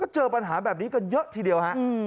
เจอปัญหาแบบนี้กันเยอะทีเดียวฮะ